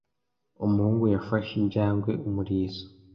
Umuhungu yafashe injangwe umurizo.